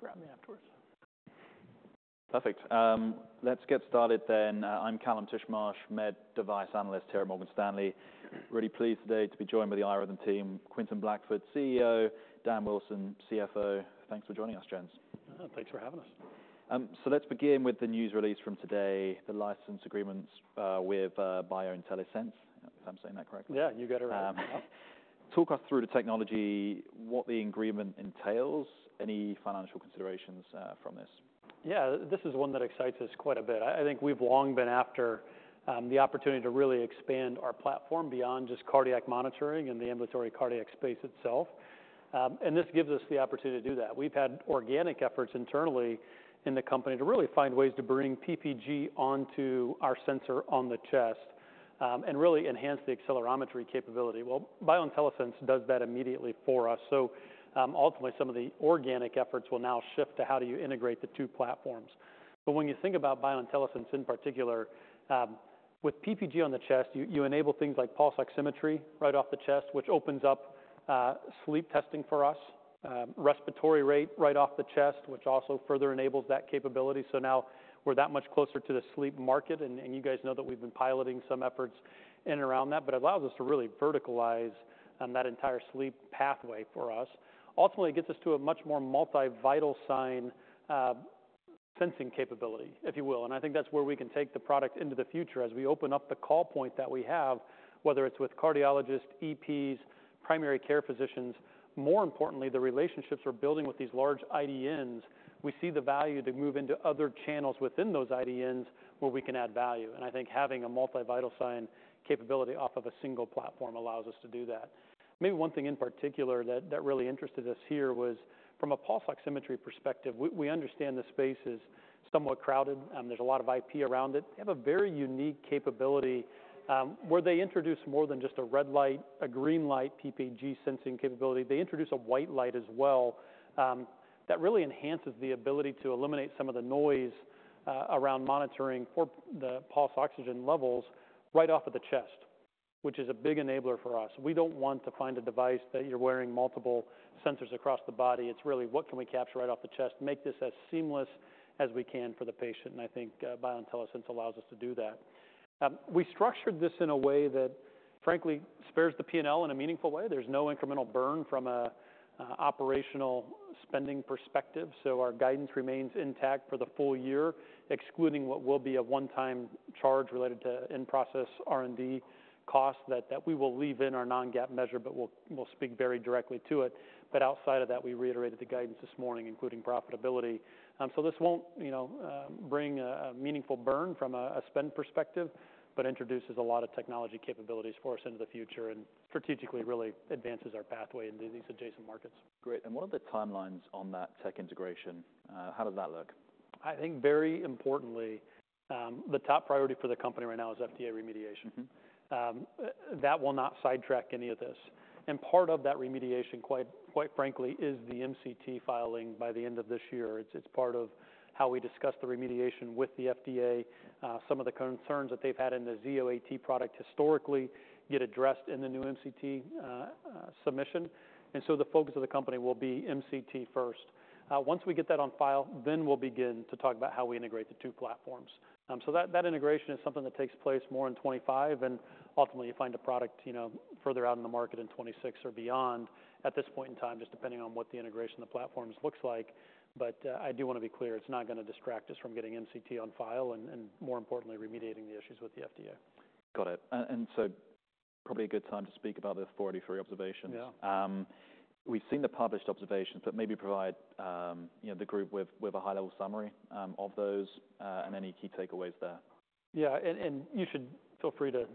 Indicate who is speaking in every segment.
Speaker 1: Gary, grab me afterwards.
Speaker 2: Perfect. Let's get started then. I'm Kallum Titchmarsh, Med Device Analyst here at Morgan Stanley. Really pleased today to be joined by the iRhythm team, Quentin Blackford, CEO, Dan Wilson, CFO. Thanks for joining us, gents.
Speaker 1: Thanks for having us.
Speaker 2: Let's begin with the news release from today, the license agreements with BioIntelliSense, if I'm saying that correctly.
Speaker 1: Yeah, you got it right.
Speaker 2: Talk us through the technology, what the agreement entails, any financial considerations from this.
Speaker 1: Yeah, this is one that excites us quite a bit. I, I think we've long been after the opportunity to really expand our platform beyond just cardiac monitoring and the ambulatory cardiac space itself, and this gives us the opportunity to do that. We've had organic efforts internally in the company to really find ways to bring PPG onto our sensor on the chest and really enhance the accelerometry capability. Well, BioIntelliSense does that immediately for us, so ultimately, some of the organic efforts will now shift to how do you integrate the two platforms, but when you think about BioIntelliSense, in particular, with PPG on the chest, you, you enable things like pulse oximetry right off the chest, which opens up sleep testing for us, respiratory rate right off the chest, which also further enables that capability. So now we're that much closer to the sleep market, and you guys know that we've been piloting some efforts in and around that, but it allows us to really verticalize that entire sleep pathway for us. Ultimately, it gets us to a much more multi-vital sign sensing capability, if you will. And I think that's where we can take the product into the future as we open up the call point that we have, whether it's with cardiologists, EPs, primary care physicians. More importantly, the relationships we're building with these large IDNs, we see the value to move into other channels within those IDNs where we can add value, and I think having a multi-vital sign capability off of a single platform allows us to do that. Maybe one thing in particular that really interested us here was from a pulse oximetry perspective. We understand the space is somewhat crowded. There's a lot of IP around it. They have a very unique capability where they introduce more than just a red light, a green light, PPG sensing capability. They introduce a white light as well that really enhances the ability to eliminate some of the noise around monitoring for the pulse oxygen levels right off the chest, which is a big enabler for us. We don't want to find a device that you're wearing multiple sensors across the body. It's really what can we capture right off the chest, make this as seamless as we can for the patient, and I think BioIntelliSense allows us to do that. We structured this in a way that, frankly, spares the P&L in a meaningful way. There's no incremental burn from an operational spending perspective, so our guidance remains intact for the full year, excluding what will be a one-time charge related to in-process R&D costs that we will leave in our non-GAAP measure, but we'll speak very directly to it. But outside of that, we reiterated the guidance this morning, including profitability. So this won't, you know, bring a meaningful burn from a spend perspective, but introduces a lot of technology capabilities for us into the future and strategically really advances our pathway into these adjacent markets.
Speaker 2: Great. And what are the timelines on that tech integration? How does that look?
Speaker 1: I think very importantly, the top priority for the company right now is FDA remediation. That will not sidetrack any of this. Part of that remediation, quite frankly, is the MCT filing by the end of this year. It's part of how we discuss the remediation with the FDA. Some of the concerns that they've had in the Zio AT product historically get addressed in the new MCT submission, and so the focus of the company will be MCT first. Once we get that on file, then we'll begin to talk about how we integrate the two platforms. So that integration is something that takes place more in 2025, and ultimately, you find a product, you know, further out in the market in 2026 or beyond at this point in time, just depending on what the integration of the platforms looks like. But, I do wanna be clear, it's not gonna distract us from getting MCT on file and, more importantly, remediating the issues with the FDA.
Speaker 2: Got it, and so probably a good time to speak about the Form 483 observations.
Speaker 1: Yeah.
Speaker 2: We've seen the published observations, but maybe provide the group with a high-level summary of those and any key takeaways there.
Speaker 1: Yeah, and you should feel free to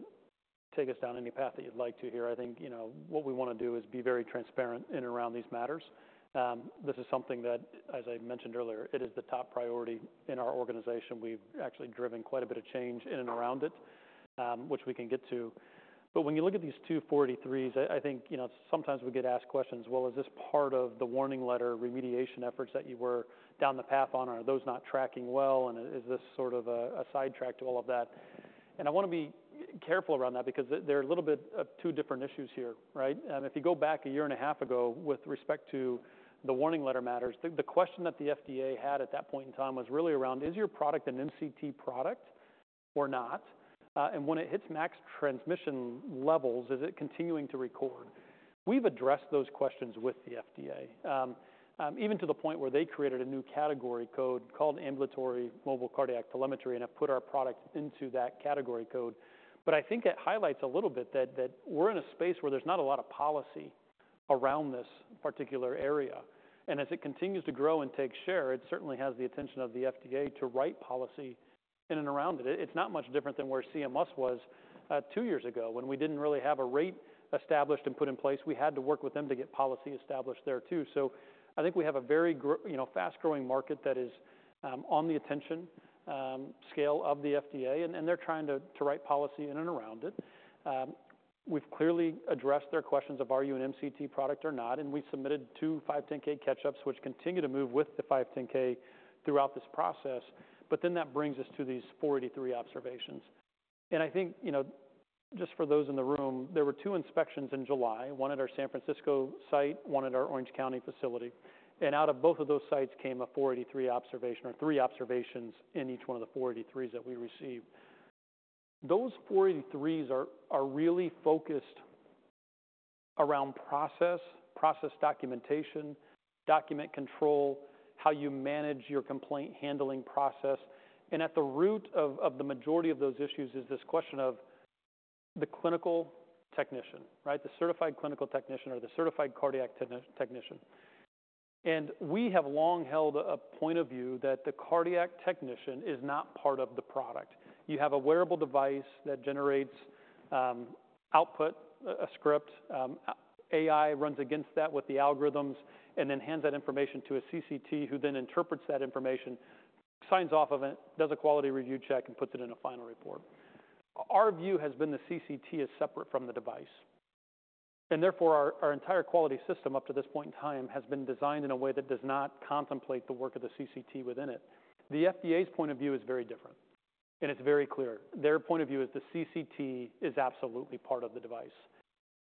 Speaker 1: take us down any path that you'd like to here. I think, you know, what we wanna do is be very transparent in and around these matters. This is something that, as I mentioned earlier, it is the top priority in our organization. We've actually driven quite a bit of change in and around it, which we can get to. But when you look at these two 483s, I think, you know, sometimes we get asked questions, "Well, is this part of the warning letter remediation efforts that you were down the path on, or are those not tracking well, and is this sort of a sidetrack to all of that?" And I wanna be careful around that because they're a little bit of two different issues here, right? If you go back a year and a half ago with respect to the Warning Letter matters, the question that the FDA had at that point in time was really around, "Is your product an MCT product or not? And when it hits max transmission levels, is it continuing to record?" We've addressed those questions with the FDA, even to the point where they created a new category code called Ambulatory Mobile Cardiac Telemetry, and have put our product into that category code. But I think it highlights a little bit that we're in a space where there's not a lot of policy around this particular area, and as it continues to grow and take share, it certainly has the attention of the FDA to write policy in and around it. It's not much different than where CMS was two years ago when we didn't really have a rate established and put in place. We had to work with them to get policy established there, too. So I think we have a very, you know, fast-growing market that is on the attention scale of the FDA, and they're trying to write policy in and around it. We've clearly addressed their questions of: Are you an MCT product or not? And we've submitted two 510(k) catch-ups, which continue to move with the 510(k) throughout this process. But then that brings us to these Form 483 observations. I think, you know, just for those in the room, there were two inspections in July, one at our San Francisco site, one at our Orange County facility. And out of both of those sites came a 483 observation, or three observations in each one of the 483s that we received. Those 483s are really focused around process, process documentation, document control, how you manage your complaint handling process. And at the root of the majority of those issues is this question of the clinical technician, right? The certified clinical technician or the certified cardiac technician. And we have long held a point of view that the cardiac technician is not part of the product. You have a wearable device that generates output, a script, AI runs against that with the algorithms and then hands that information to a CCT, who then interprets that information, signs off of it, does a quality review check, and puts it in a final report. Our view has been the CCT is separate from the device, and therefore, our entire quality system, up to this point in time, has been designed in a way that does not contemplate the work of the CCT within it. The FDA's point of view is very different, and it's very clear. Their point of view is the CCT is absolutely part of the device,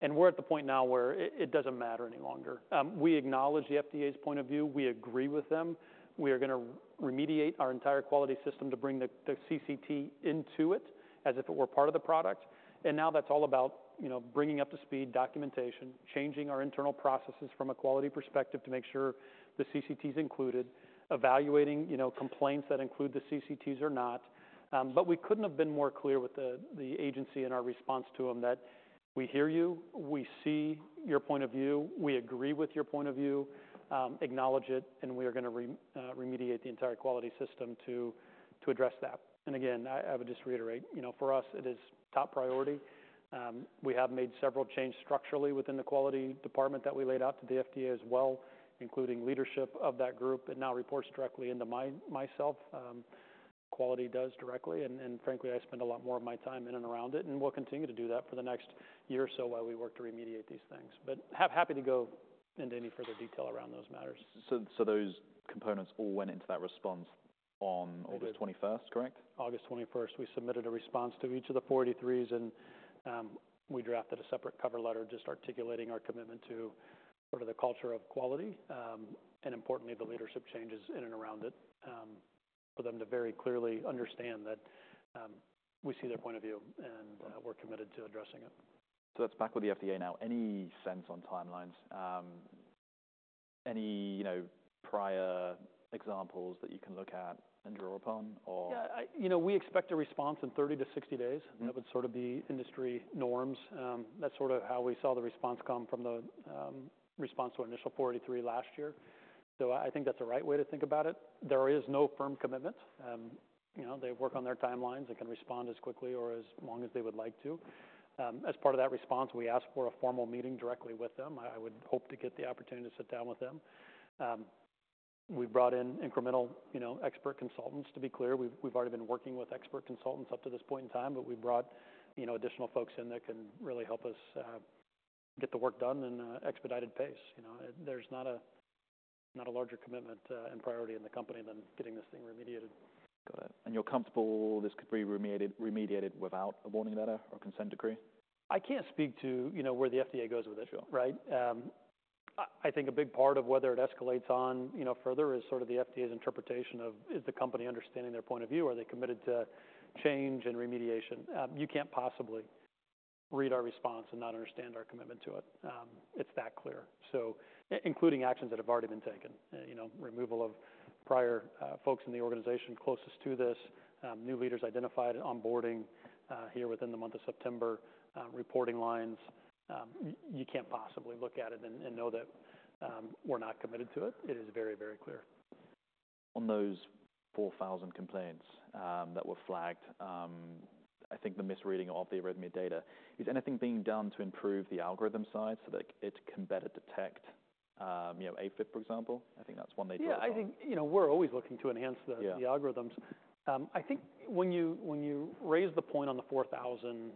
Speaker 1: and we're at the point now where it doesn't matter any longer. We acknowledge the FDA's point of view. We agree with them. We are gonna remediate our entire quality system to bring the CCT into it, as if it were part of the product. And now that's all about, you know, bringing up to speed documentation, changing our internal processes from a quality perspective to make sure the CCT is included, evaluating, you know, complaints that include the CCTs or not. But we couldn't have been more clear with the agency in our response to them that we hear you, we see your point of view, we agree with your point of view, acknowledge it, and we are gonna remediate the entire quality system to address that. And again, I would just reiterate, you know, for us, it is top priority. We have made several changes structurally within the quality department that we laid out to the FDA as well, including leadership of that group. It now reports directly into myself. Quality does directly, and frankly, I spend a lot more of my time in and around it, and will continue to do that for the next year or so while we work to remediate these things, but happy to go into any further detail around those matters.
Speaker 2: So those components all went into that response on-
Speaker 1: They did.
Speaker 2: August 21st, correct?
Speaker 1: August 21st, we submitted a response to each of the 483s, and we drafted a separate cover letter, just articulating our commitment to sort of the culture of quality, and importantly, the leadership changes in and around it, for them to very clearly understand that we see their point of view, and we're committed to addressing it.
Speaker 2: So, let's back with the FDA now. Any sense on timelines? Any, you know, prior examples that you can look at and draw upon, or-
Speaker 1: Yeah. You know, we expect a response in 30-60 days. That would sort of be industry norms. That's sort of how we saw the response to initial 483 last year. So I think that's the right way to think about it. There is no firm commitment. You know, they work on their timelines. They can respond as quickly or as long as they would like to. As part of that response, we asked for a formal meeting directly with them. I would hope to get the opportunity to sit down with them. We've brought in incremental, you know, expert consultants. To be clear, we've already been working with expert consultants up to this point in time, but we've brought, you know, additional folks in that can really help us get the work done in a expedited pace. You know, there's not a larger commitment and priority in the company than getting this thing remediated.
Speaker 2: Got it. And you're comfortable this could be remediated without a warning letter or consent decree?
Speaker 1: I can't speak to, you know, where the FDA goes with this, right? I think a big part of whether it escalates on, you know, further is sort of the FDA's interpretation of, is the company understanding their point of view? Are they committed to change and remediation? You can't possibly read our response and not understand our commitment to it. It's that clear, so including actions that have already been taken, you know, removal of prior folks in the organization closest to this, new leaders identified and onboarding here within the month of September, reporting lines. You can't possibly look at it and know that we're not committed to it. It is very, very clear.
Speaker 2: On those 4,000 complaints that were flagged, I think the misreading of the arrhythmia data, is anything being done to improve the algorithm side so that it can better detect, you know, AFib, for example? I think that's one they-
Speaker 1: Yeah, I think, you know, we're always looking to enhance the-
Speaker 2: Yeah...
Speaker 1: the algorithms. I think when you, when you raise the point on the 4,000,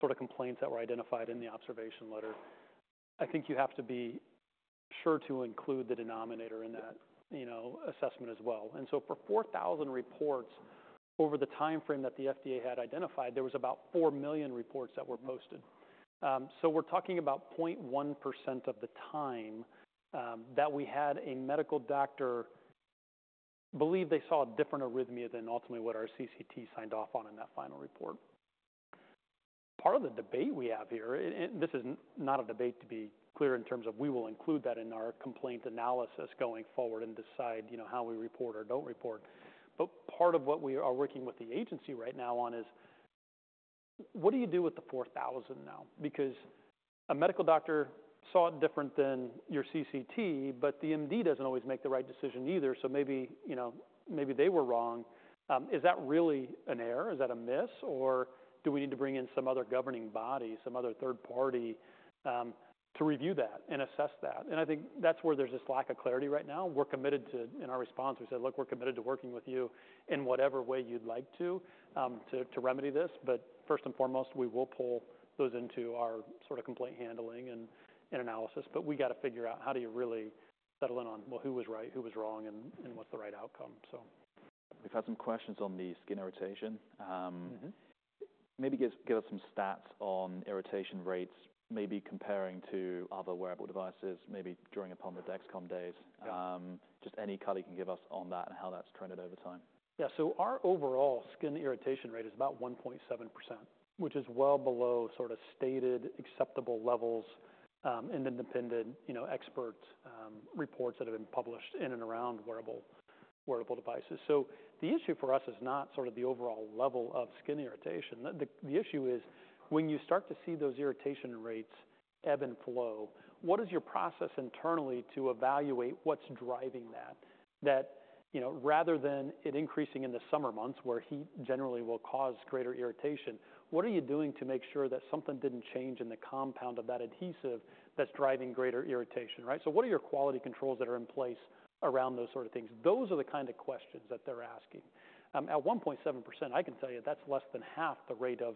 Speaker 1: sort of complaints that were identified in the observation letter, I think you have to be sure to include the denominator in that, you know, assessment as well. And so for 4,000 reports, over the timeframe that the FDA had identified, there was about 4 million reports that were posted. So we're talking about 0.1% of the time, that we had a medical doctor believe they saw a different arrhythmia than ultimately what our CCT signed off on in that final report. Part of the debate we have here, and this is not a debate, to be clear, in terms of we will include that in our complaint analysis going forward and decide, you know, how we report or don't report. But part of what we are working with the agency right now on is: what do you do with the four thousand now? Because a medical doctor saw it different than your CCT, but the MD doesn't always make the right decision either, so maybe, you know, maybe they were wrong. Is that really an error? Is that a miss, or do we need to bring in some other governing body, some other third-party, to review that and assess that? And I think that's where there's this lack of clarity right now. We're committed to... In our response, we said, "Look, we're committed to working with you in whatever way you'd like to remedy this. But first and foremost, we will pull those into our sort of complaint handling and analysis. But we got to figure out how do you really settle in on, well, who was right, who was wrong, and what's the right outcome? So-
Speaker 2: We've had some questions on the skin irritation. Maybe give us some stats on irritation rates, maybe comparing to other wearable devices, maybe drawing upon the Dexcom days. Just any color you can give us on that and how that's turned it over time?
Speaker 1: Yeah. So our overall skin irritation rate is about 1.7%, which is well below sort of stated acceptable levels in independent, you know, expert reports that have been published in and around wearable devices. So the issue for us is not sort of the overall level of skin irritation. The issue is when you start to see those irritation rates ebb and flow, what is your process internally to evaluate what's driving that? That you know, rather than it increasing in the summer months, where heat generally will cause greater irritation, what are you doing to make sure that something didn't change in the compound of that adhesive that's driving greater irritation, right? So what are your quality controls that are in place around those sort of things? Those are the kind of questions that they're asking. At 1.7%, I can tell you that's less than half the rate of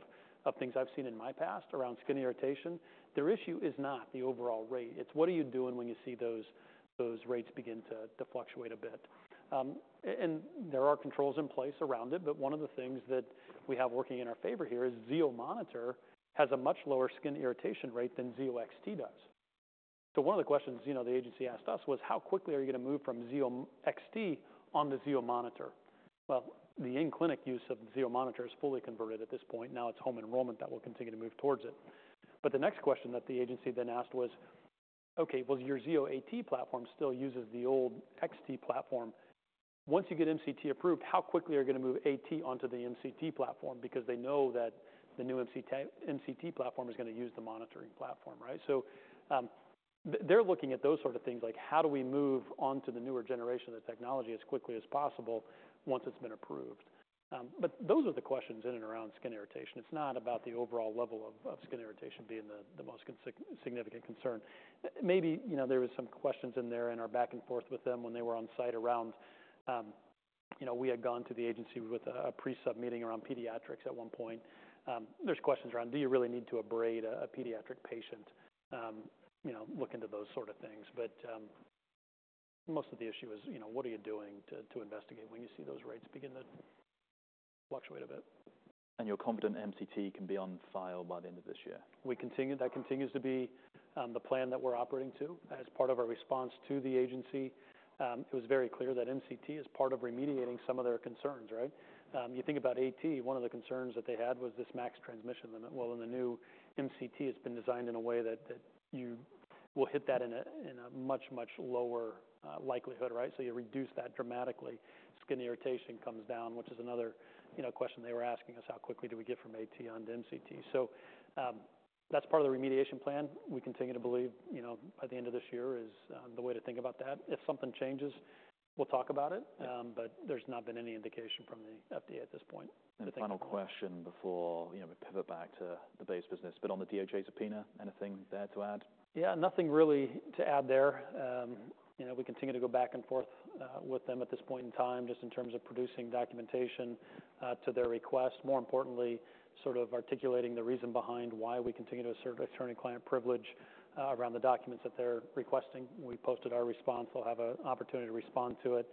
Speaker 1: things I've seen in my past around skin irritation. Their issue is not the overall rate. It's what are you doing when you see those rates begin to fluctuate a bit, and there are controls in place around it, but one of the things that we have working in our favor here is Zio monitor has a much lower skin irritation rate than Zio XT does, so one of the questions, you know, the agency asked us was: How quickly are you going to move from Zio XT on to Zio monitor? The in-clinic use of Zio monitor is fully converted at this point. Now it's home enrollment that will continue to move towards it. The next question that the agency then asked was: "Okay, well, your Zio AT platform still uses the old XT platform. Once you get MCT approved, how quickly are you going to move AT onto the MCT platform?" Because they know that the new MCT platform is going to use the monitoring platform, right? They're looking at those sort of things, like how do we move on to the newer generation of technology as quickly as possible once it's been approved? Those are the questions in and around skin irritation. It's not about the overall level of skin irritation being the most significant concern. Maybe, you know, there was some questions in there in our back and forth with them when they were on site around. You know, we had gone to the agency with a pre-sub meeting around pediatrics at one point. There's questions around: Do you really need to abrade a pediatric patient? You know, look into those sort of things. But most of the issue is, you know, what are you doing to investigate when you see those rates begin to fluctuate a bit.
Speaker 2: You're confident MCT can be on file by the end of this year?
Speaker 1: We continue. That continues to be the plan that we're operating to. As part of our response to the agency, it was very clear that MCT is part of remediating some of their concerns, right? You think about AT, one of the concerns that they had was this max transmission limit. Well, in the new MCT, it's been designed in a way that, that you will hit that in a, in a much, much lower likelihood, right? So you reduce that dramatically. Skin irritation comes down, which is another, you know, question they were asking us: How quickly do we get from AT on to MCT? So, that's part of the remediation plan. We continue to believe, you know, by the end of this year is the way to think about that. If something changes, we'll talk about it. But there's not been any indication from the FDA at this point.
Speaker 2: And a final question before, you know, we pivot back to the base business, but on the DOJ subpoena, anything there to add?
Speaker 1: Yeah, nothing really to add there. You know, we continue to go back and forth with them at this point in time, just in terms of producing documentation to their request. More importantly, sort of articulating the reason behind why we continue to assert attorney-client privilege around the documents that they're requesting. We posted our response. We'll have an opportunity to respond to it.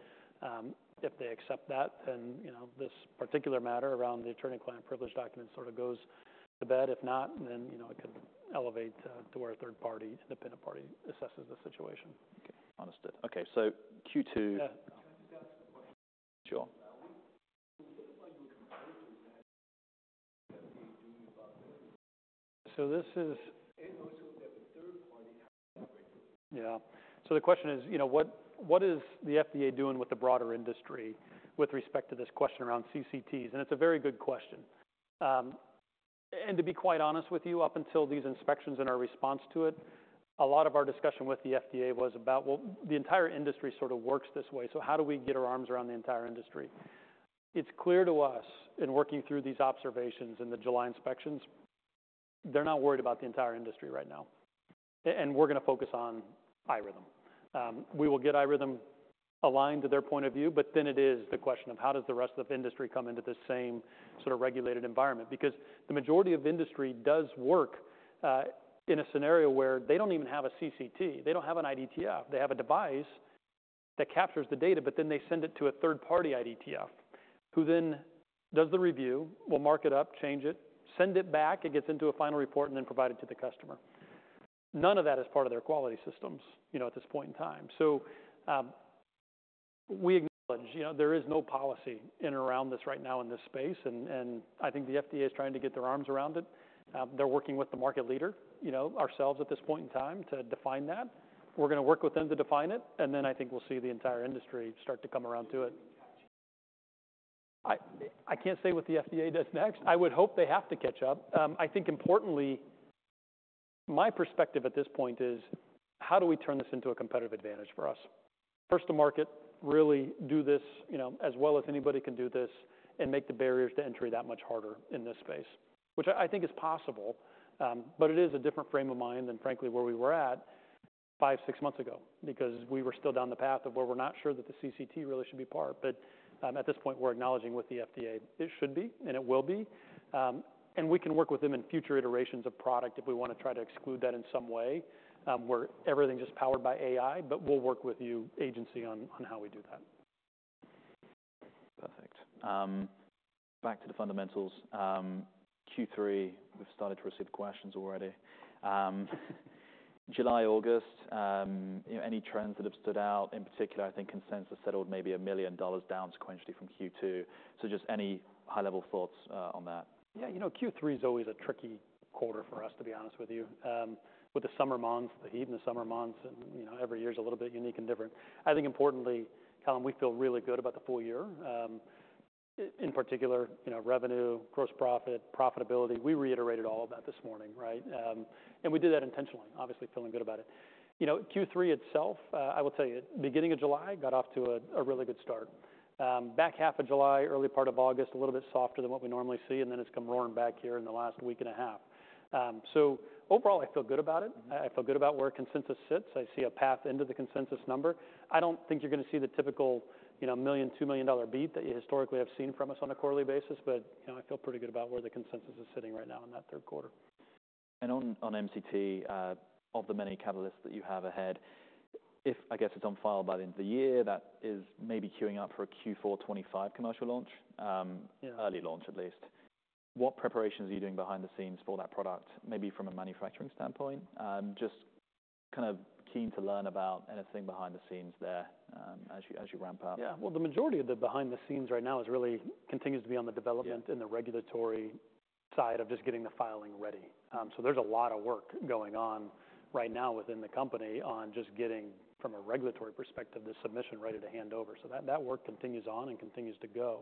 Speaker 1: If they accept that, then, you know, this particular matter around the attorney-client privileged documents sort of goes to bed. If not, then, you know, it could elevate to where a third party, independent party assesses the situation.
Speaker 2: Okay. Understood. Okay, so Q2.
Speaker 1: Yeah.
Speaker 2: Sure.
Speaker 1: So this is- Yeah, so the question is, you know, what, what is the FDA doing with the broader industry with respect to this question around CCTs? It's a very good question. To be quite honest with you, up until these inspections and our response to it, a lot of our discussion with the FDA was about, Well, the entire industry sort of works this way, so how do we get our arms around the entire industry? It's clear to us in working through these observations in the July inspections, they're not worried about the entire industry right now, and we're going to focus on iRhythm. We will get iRhythm aligned to their point of view, but then it is the question of how does the rest of the industry come into this same sort of regulated environment? Because the majority of industry does work in a scenario where they don't even have a CCT. They don't have an IDTF. They have a device that captures the data, but then they send it to a third-party IDTF, who then does the review, will mark it up, change it, send it back, it gets into a final report, and then provide it to the customer. None of that is part of their quality systems, you know, at this point in time. So, we acknowledge, you know, there is no policy in and around this right now in this space, and I think the FDA is trying to get their arms around it. They're working with the market leader, you know, ourselves at this point in time, to define that. We're going to work with them to define it, and then I think we'll see the entire industry start to come around to it. I can't say what the FDA does next. I would hope they have to catch up. I think importantly, my perspective at this point is: How do we turn this into a competitive advantage for us? First, the market really do this, you know, as well as anybody can do this and make the barriers to entry that much harder in this space, which I think is possible. But it is a different frame of mind than frankly, where we were at five, six months ago, because we were still down the path of where we're not sure that the CCT really should be part. But at this point, we're acknowledging with the FDA it should be, and it will be. And we can work with them in future iterations of product if we want to try to exclude that in some way, where everything's just powered by AI, but we'll work with you, agency, on how we do that.
Speaker 2: Perfect. Back to the fundamentals. Q3, we've started to receive questions already. July, August, you know, any trends that have stood out? In particular, I think consensus settled maybe a $1 million down sequentially from Q2. So just any high-level thoughts on that?
Speaker 1: Yeah, you know, Q3 is always a tricky quarter for us, to be honest with you. With the summer months, the heat in the summer months, and, you know, every year is a little bit unique and different. I think importantly, Kallum, we feel really good about the full year. In particular, you know, revenue, gross profit, profitability. We reiterated all of that this morning, right? And we did that intentionally, obviously, feeling good about it. You know, Q3 itself, I will tell you, beginning of July got off to a really good start. Back half of July, early part of August, a little bit softer than what we normally see, and then it's come roaring back here in the last week and a half. So overall, I feel good about it. I feel good about where consensus sits. I see a path into the consensus number. I don't think you're gonna see the typical, you know, $1 million, $2 million beat that you historically have seen from us on a quarterly basis, but, you know, I feel pretty good about where the consensus is sitting right now in that third quarter.
Speaker 2: And on MCT, of the many catalysts that you have ahead, if, I guess, it's on file by the end of the year, that is maybe queuing up for a Q4 2025 commercial launch.
Speaker 1: Yeah...
Speaker 2: early launch, at least. What preparations are you doing behind the scenes for that product, maybe from a manufacturing standpoint? Just kind of keen to learn about anything behind the scenes there, as you ramp up.
Speaker 1: Yeah. Well, the majority of the behind the scenes right now is really continues to be on the development-
Speaker 2: Yeah...
Speaker 1: and the regulatory side of just getting the filing ready. So there's a lot of work going on right now within the company on just getting, from a regulatory perspective, the submission ready to hand over. So that, that work continues on and continues to go.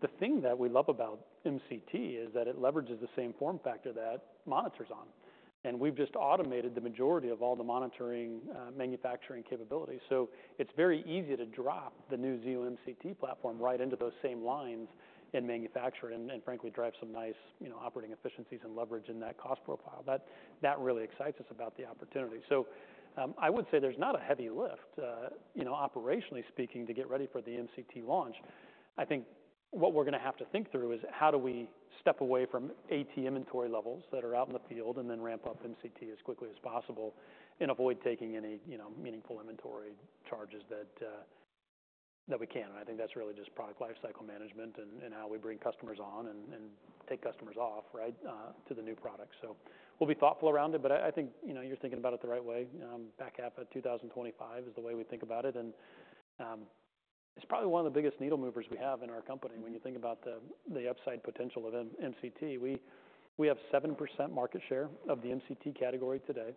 Speaker 1: The thing that we love about MCT is that it leverages the same form factor that the Monitor's on, and we've just automated the majority of all the monitoring manufacturing capabilities. So it's very easy to drop the new Zio MCT platform right into those same lines in manufacturing and, and frankly, drive some nice, you know, operating efficiencies and leverage in that cost profile. That, that really excites us about the opportunity. So, I would say there's not a heavy lift, you know, operationally speaking, to get ready for the MCT launch. I think what we're gonna have to think through is, how do we step away from AT inventory levels that are out in the field, and then ramp up MCT as quickly as possible and avoid taking any, you know, meaningful inventory charges that we can? And I think that's really just product lifecycle management and how we bring customers on and take customers off, right, to the new product. So we'll be thoughtful around it, but I think, you know, you're thinking about it the right way. Back half of 2025 is the way we think about it, and it's probably one of the biggest needle movers we have in our company when you think about the upside potential of MCT. We have 7% market share of the MCT category today.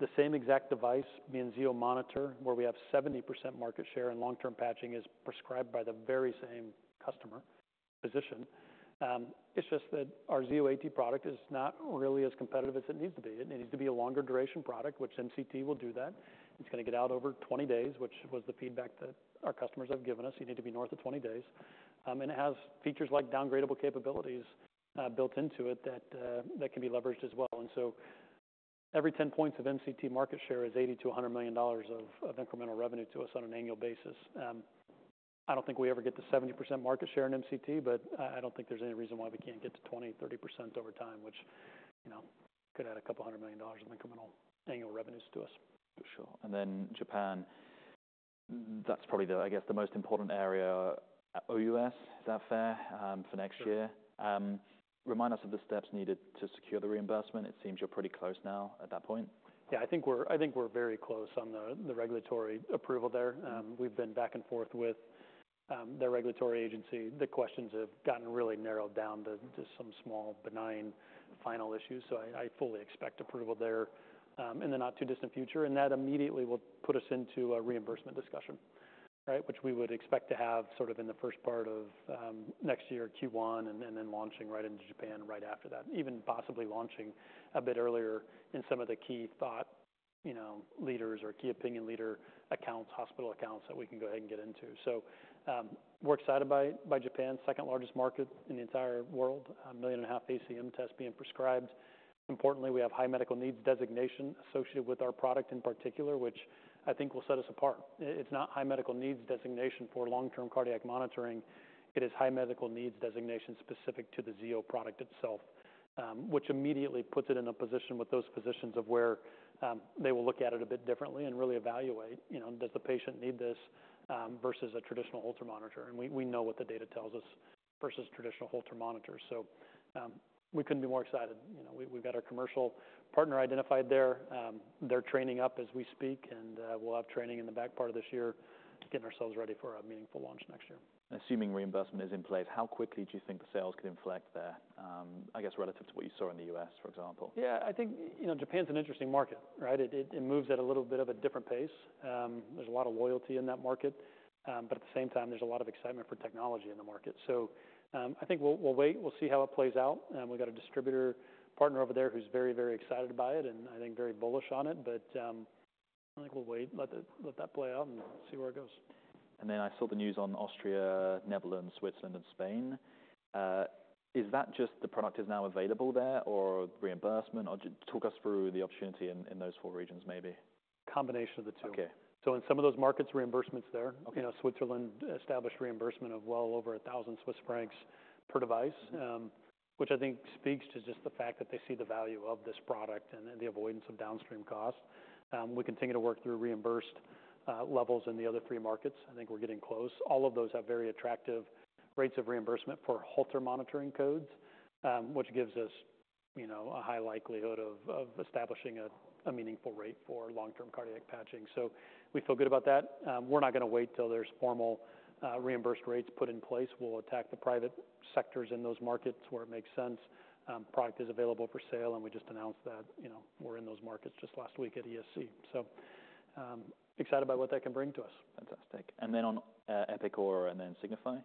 Speaker 1: The same exact device being Zio monitor, where we have 70% market share and long-term patching, is prescribed by the very same customer, physician. It's just that our Zio AT product is not really as competitive as it needs to be. It needs to be a longer duration product, which MCT will do that. It's gonna get out over 20 days, which was the feedback that our customers have given us, "You need to be north of 20 days." And it has features like downgradable capabilities, built into it that, that can be leveraged as well. And so every 10 points of MCT market share is $80 million-$100 million of incremental revenue to us on an annual basis. I don't think we ever get to 70% market share in MCT, but I don't think there's any reason why we can't get to 20%, 30% over time, which, you know, could add a couple $100 million in incremental annual revenues to us.
Speaker 2: For sure. And then Japan, that's probably the, I guess, the most important area, OUS, is that fair, for next year? Remind us of the steps needed to secure the reimbursement. It seems you're pretty close now at that point.
Speaker 1: Yeah, I think we're very close on the regulatory approval there. We've been back and forth with the regulatory agency. The questions have gotten really narrowed down to some small, benign, final issues, so I fully expect approval there in the not-too-distant future, and that immediately will put us into a reimbursement discussion, right? Which we would expect to have sort of in the first part of next year, Q1, and then launching right into Japan right after that. Even possibly launching a bit earlier in some of the key thought, you know, leaders or key opinion leader accounts, hospital accounts that we can go ahead and get into. So, we're excited by Japan's second-largest market in the entire world, 1.5 million ACM tests being prescribed. Importantly, we have high medical needs designation associated with our product in particular, which I think will set us apart. It's not high medical needs designation for long-term cardiac monitoring. It is high medical needs designation specific to the Zio product itself, which immediately puts it in a position with those physicians where they will look at it a bit differently and really evaluate, you know, does the patient need this versus a traditional Holter monitor? And we know what the data tells us versus traditional Holter monitors. So, we couldn't be more excited. You know, we've got our commercial partner identified there. They're training up as we speak, and we'll have training in the back part of this year to get ourselves ready for a meaningful launch next year.
Speaker 2: Assuming reimbursement is in place, how quickly do you think the sales could inflect there, I guess, relative to what you saw in the U.S., for example?
Speaker 1: Yeah, I think, you know, Japan's an interesting market, right? It moves at a little bit of a different pace. There's a lot of loyalty in that market, but at the same time, there's a lot of excitement for technology in the market. So, I think we'll wait, we'll see how it plays out. We've got a distributor partner over there who's very, very excited about it and, I think, very bullish on it, but, I think we'll wait, let that play out and see where it goes.
Speaker 2: And then I saw the news on Austria, Netherlands, Switzerland, and Spain. Is that just the product is now available there, or reimbursement? Or just talk us through the opportunity in those four regions, maybe.
Speaker 1: Combination of the two.
Speaker 2: Okay.
Speaker 1: So in some of those markets, reimbursement's there.
Speaker 2: Okay.
Speaker 1: You know, Switzerland established reimbursement of well over 1,000 Swiss francs per device which I think speaks to just the fact that they see the value of this product and the avoidance of downstream costs. We continue to work through reimbursement levels in the other three markets. I think we're getting close. All of those have very attractive rates of reimbursement for Holter monitoring codes, which gives us, you know, a high likelihood of establishing a meaningful rate for long-term cardiac patching. So we feel good about that. We're not gonna wait till there's formal reimbursement rates put in place. We'll attack the private sectors in those markets where it makes sense. Product is available for sale, and we just announced that, you know, we're in those markets just last week at ESC. So, excited about what that can bring to us.
Speaker 2: Fantastic. And then on Epic, Aura and then Signify,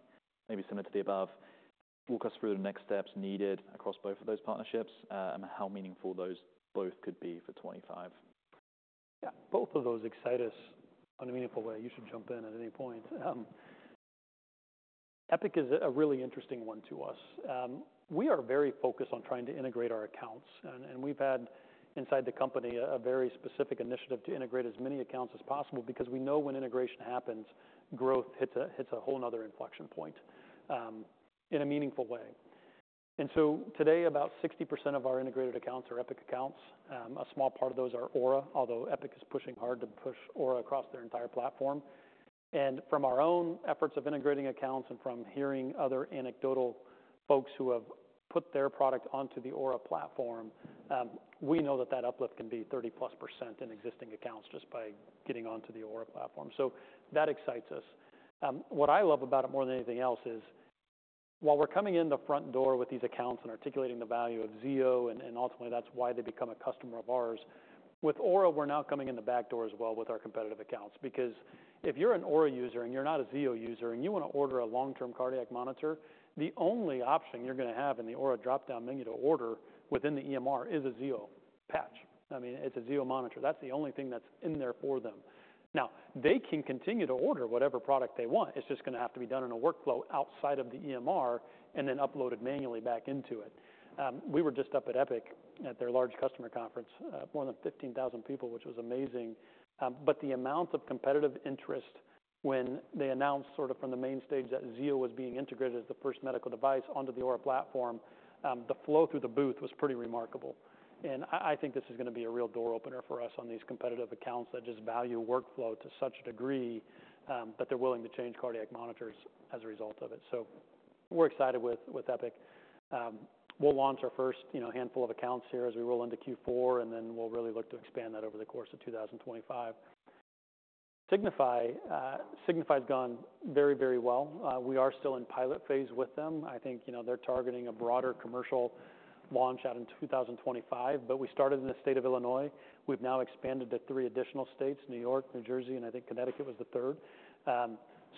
Speaker 2: maybe similar to the above, walk us through the next steps needed across both of those partnerships, and how meaningful those both could be for 2025?
Speaker 1: Yeah, both of those excite us in a meaningful way. You should jump in at any point. Epic is a really interesting one to us. We are very focused on trying to integrate our accounts, and we've had, inside the company, a very specific initiative to integrate as many accounts as possible because we know when integration happens, growth hits a whole another inflection point, in a meaningful way. And so today, about 60% of our integrated accounts are Epic accounts. A small part of those are Aura, although Epic is pushing hard to push Aura across their entire platform. And from our own efforts of integrating accounts and from hearing other anecdotal folks who have put their product onto the Aura platform, we know that that uplift can be 30%+ in existing accounts just by getting onto the Aura platform. So that excites us. What I love about it more than anything else is, while we're coming in the front door with these accounts and articulating the value of Zio, and ultimately, that's why they become a customer of ours, with Aura, we're now coming in the back door as well with our competitive accounts. Because if you're an Aura user and you're not a Zio user, and you wanna order a long-term cardiac monitor, the only option you're gonna have in the Aura drop-down menu to order within the EMR is a Zio patch. I mean, it's a Zio monitor. That's the only thing that's in there for them. Now, they can continue to order whatever product they want. It's just gonna have to be done in a workflow outside of the EMR and then uploaded manually back into it. We were just up at Epic, at their large customer conference, more than fifteen thousand people, which was amazing, but the amount of competitive interest when they announced sort of from the main stage that Zio was being integrated as the first medical device onto the Aura platform, the flow through the booth was pretty remarkable, and I, I think this is gonna be a real door opener for us on these competitive accounts that just value workflow to such a degree, that they're willing to change cardiac monitors as a result of it, so we're excited with, with Epic. We'll launch our first, you know, handful of accounts here as we roll into Q4, and then we'll really look to expand that over the course of 2025. Signify's gone very, very well. We are still in pilot phase with them. I think, you know, they're targeting a broader commercial launch out in 2025, but we started in the state of Illinois. We've now expanded to three additional states, New York, New Jersey, and I think Connecticut was the third.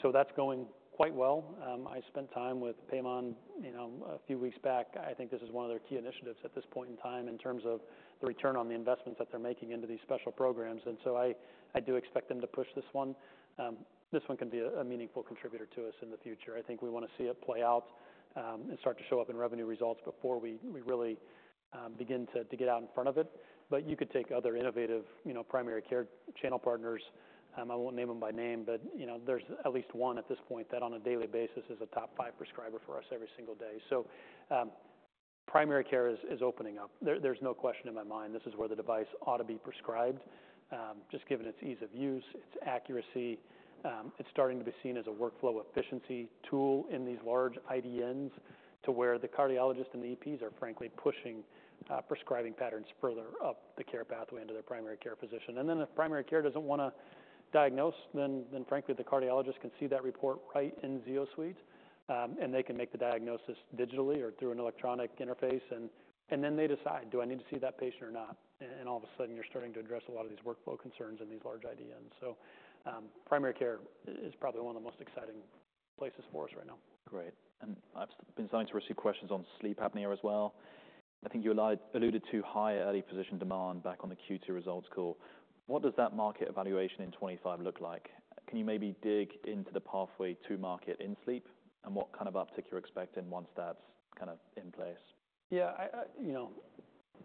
Speaker 1: So that's going quite well. I spent time with Payman, you know, a few weeks back. I think this is one of their key initiatives at this point in time in terms of the return on the investments that they're making into these special programs. And so I do expect them to push this one. This one can be a meaningful contributor to us in the future. I think we wanna see it play out and start to show up in revenue results before we really begin to get out in front of it. But you could take other innovative, you know, primary care channel partners. I won't name them by name, but, you know, there's at least one at this point that, on a daily basis, is a top five prescriber for us every single day. So, primary care is opening up. There's no question in my mind this is where the device ought to be prescribed, just given its ease of use, its accuracy. It's starting to be seen as a workflow efficiency tool in these large IDNs, to where the cardiologists and the EPs are frankly pushing prescribing patterns further up the care pathway into their primary care physician. And then if primary care doesn't wanna diagnose, then frankly, the cardiologist can see that report right in ZioSuite, and they can make the diagnosis digitally or through an electronic interface, and then they decide, "Do I need to see that patient or not?" And all of a sudden, you're starting to address a lot of these workflow concerns in these large IDNs. So primary care is probably one of the most exciting places for us right now.
Speaker 2: Great. And I've been starting to receive questions on sleep apnea as well. I think you alluded to high early position demand back on the Q2 results call. What does that market evaluation in 2025 look like? Can you maybe dig into the pathway to market in sleep, and what kind of uptick you're expecting once that's kind of in place?
Speaker 1: Yeah, You know,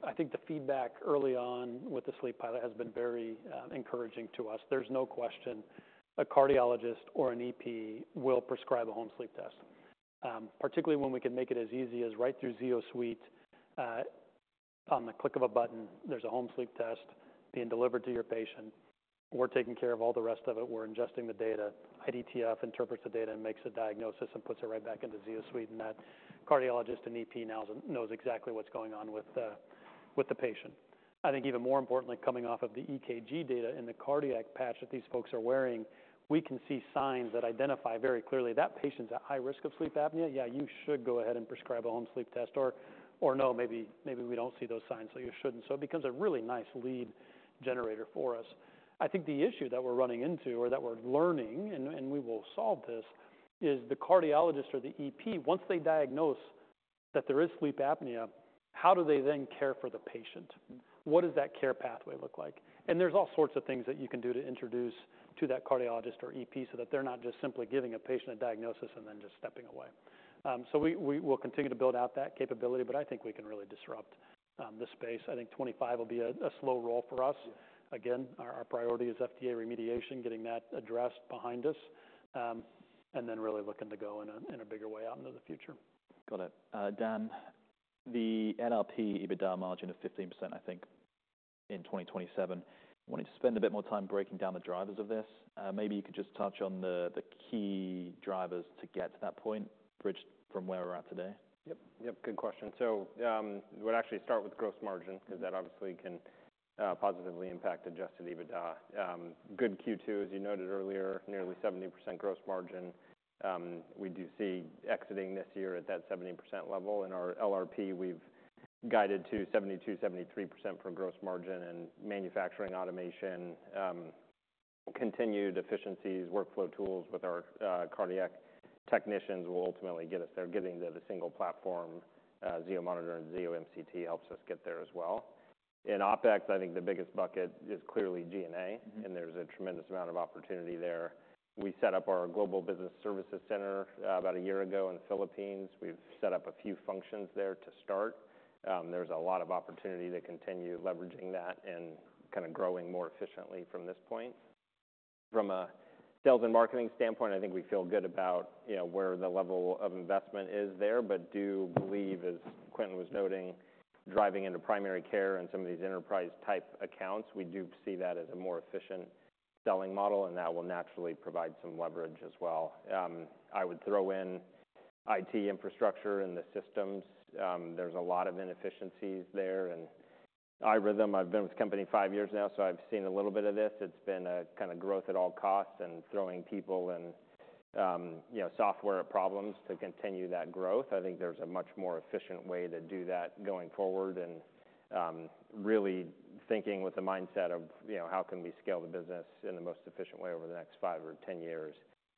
Speaker 1: I think the feedback early on with the sleep pilot has been very, encouraging to us. There's no question a cardiologist or an EP will prescribe a home sleep test, particularly when we can make it as easy as right through ZioSuite. On the click of a button, there's a home sleep test being delivered to your patient. We're taking care of all the rest of it. We're ingesting the data. IDTF interprets the data and makes a diagnosis and puts it right back into ZioSuite, and that cardiologist and EP now knows exactly what's going on with the patient. I think even more importantly, coming off of the EKG data and the cardiac patch that these folks are wearing, we can see signs that identify very clearly, "That patient's at high risk of sleep apnea. Yeah, you should go ahead and prescribe a home sleep test," or, "No, maybe we don't see those signs, so you shouldn't." So it becomes a really nice lead generator for us. I think the issue that we're running into, or that we're learning, and we will solve this, is the cardiologist or the EP, once they diagnose that there is sleep apnea, how do they then care for the patient? What does that care pathway look like? And there's all sorts of things that you can do to introduce to that cardiologist or EP, so that they're not just simply giving a patient a diagnosis and then just stepping away. So we will continue to build out that capability, but I think we can really disrupt the space. I think 2025 will be a slow roll for us. Again, our priority is FDA remediation, getting that addressed behind us, and then really looking to go in a bigger way out into the future.
Speaker 2: Got it. Dan, the LRP EBITDA margin of 15%, I think in 2027. I wanted to spend a bit more time breaking down the drivers of this. Maybe you could just touch on the key drivers to get to that point, bridge from where we're at today.
Speaker 3: Yep. Yep, good question. So, we'll actually start with gross margin, 'cause that obviously can positively impact adjusted EBITDA. Good Q2, as you noted earlier, nearly 70% gross margin. We do see exiting this year at that 70% level. In our LRP, we've guided to 72%, 73% for gross margin and manufacturing automation. Continued efficiencies, workflow tools with our cardiac technicians will ultimately get us there. Getting the single platform, Zio monitor and Zio MCT helps us get there as well. In OpEx, I think the biggest bucket is clearly G&A, and there's a tremendous amount of opportunity there. We set up our global business services center about a year ago in Philippines. We've set up a few functions there to start. There's a lot of opportunity to continue leveraging that and kind of growing more efficiently from this point. From a sales and marketing standpoint, I think we feel good about, you know, where the level of investment is there, but do believe, as Quentin was noting, driving into primary care and some of these enterprise-type accounts, we do see that as a more efficient selling model, and that will naturally provide some leverage as well. I would throw in IT infrastructure and the systems. There's a lot of inefficiencies there, and iRhythm, I've been with the company five years now, so I've seen a little bit of this. It's been a kind of growth at all costs and throwing people and, you know, software at problems to continue that growth. I think there's a much more efficient way to do that going forward and, really thinking with the mindset of, you know, how can we scale the business in the most efficient way over the next five or 10 years?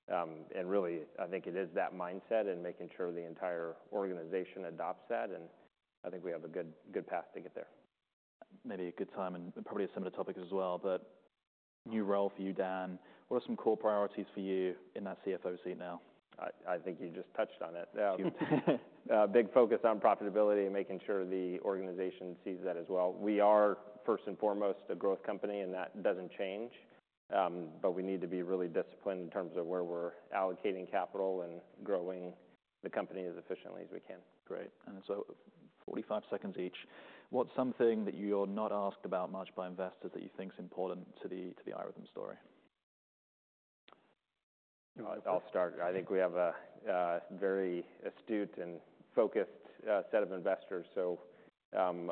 Speaker 3: And really, I think it is that mindset and making sure the entire organization adopts that, and I think we have a good, good path to get there.
Speaker 2: Maybe a good time and probably a similar topic as well, but new role for you, Dan. What are some core priorities for you in that CFO seat now?
Speaker 3: I think you just touched on it. Big focus on profitability and making sure the organization sees that as well. We are, first and foremost, a growth company, and that doesn't change, but we need to be really disciplined in terms of where we're allocating capital and growing the company as efficiently as we can.
Speaker 2: Great. And so 45 seconds each, what's something that you're not asked about much by investors that you think is important to the, to the iRhythm story?
Speaker 3: I'll start. I think we have a very astute and focused set of investors, so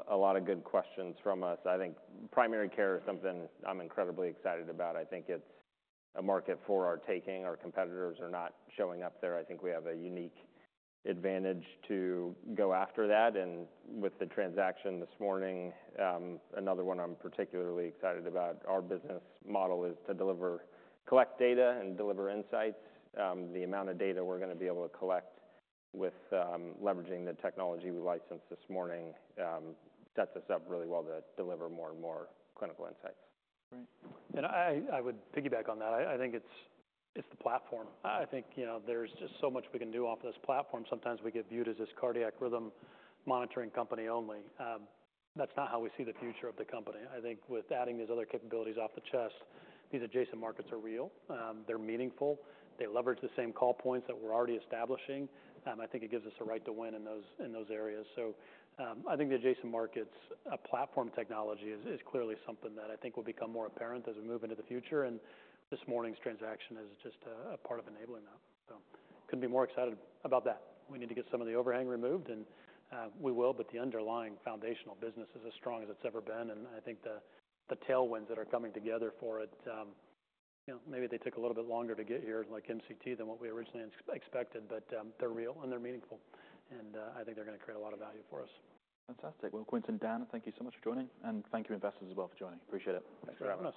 Speaker 3: a lot of good questions from us. I think primary care is something I'm incredibly excited about. I think it's a market for our taking. Our competitors are not showing up there. I think we have a unique advantage to go after that, and with the transaction this morning, another one I'm particularly excited about. Our business model is to collect data and deliver insights. The amount of data we're gonna be able to collect with leveraging the technology we licensed this morning sets us up really well to deliver more and more clinical insights.
Speaker 2: Great.
Speaker 1: And I would piggyback on that. I think it's the platform. I think, you know, there's just so much we can do off this platform. Sometimes we get viewed as this cardiac rhythm monitoring company only. That's not how we see the future of the company. I think with adding these other capabilities off this chest, these adjacent markets are real, they're meaningful, they leverage the same call points that we're already establishing, and I think it gives us a right to win in those areas. So, I think the adjacent markets, a platform technology is clearly something that I think will become more apparent as we move into the future, and this morning's transaction is just a part of enabling that. So couldn't be more excited about that. We need to get some of the overhang removed, and we will, but the underlying foundational business is as strong as it's ever been, and I think the tailwinds that are coming together for it, you know, maybe they took a little bit longer to get here, like MCT, than what we originally expected, but they're real and they're meaningful, and I think they're gonna create a lot of value for us.
Speaker 2: Fantastic. Well, Quentin and Dan, thank you so much for joining, and thank you, investors, as well, for joining. Appreciate it.
Speaker 3: Thanks for having us.